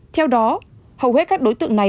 theo đó hầu hết các đối tượng này